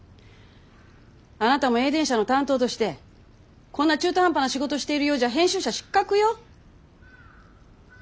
あなたもＥＩＤＥＮＳＨＡの担当としてこんな中途半端な仕事しているようじゃ編集者失格よ！